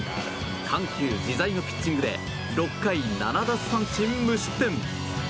緩急自在のピッチングで６回７奪三振、無失点。